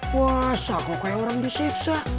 puasa kok kayak orang disiksa